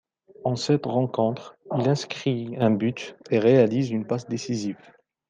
En sept rencontres, il inscrit un but et réalise une passe décisive.